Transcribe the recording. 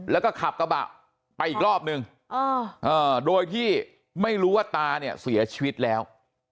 แล้วก็ขับกระบะไปอีกรอบนึงโดยที่ไม่รู้ว่าตาเนี่ยเสียชีวิตแล้ว